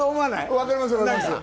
分かります。